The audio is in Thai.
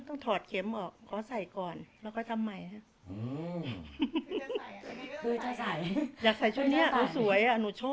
ปากเก่งปากก็กัง